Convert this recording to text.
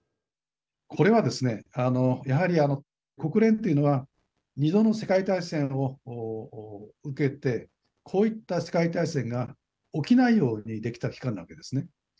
これはですねやはりあの国連というのは２度の世界大戦を受けてこういった世界大戦が起きないようにできた機関なわけですね。